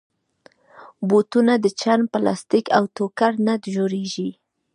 بوټونه د چرم، پلاسټیک، او ټوکر نه جوړېږي.